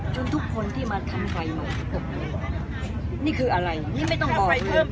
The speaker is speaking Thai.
ทุกคนที่มาทำไฟใหม่ผมนี่คืออะไรนี่ไม่ต้องบอกเลย